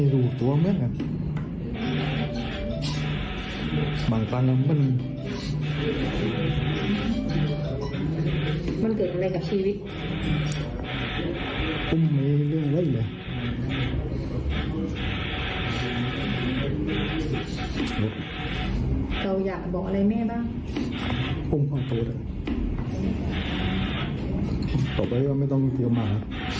แล้วเอ๊ยทำไมถูกกรอกอีกอันนี้มันของเรา